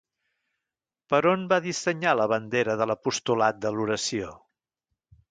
Per on va dissenyar la bandera de l'"apostolat de l'oració"?